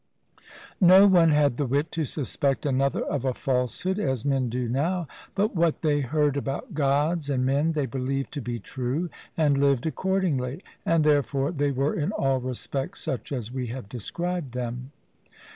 No one had the wit to suspect another of a falsehood, as men do now; but what they heard about Gods and men they believed to be true, and lived accordingly; and therefore they were in all respects such as we have described them.